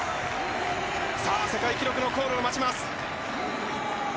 世界記録のコールを待ちます。